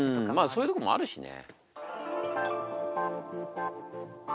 そういうところもあるしね。